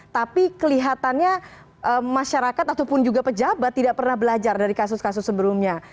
tapi kelihatannya masyarakat ataupun juga pejabat tidak pernah belajar dari kasus kasus sebelumnya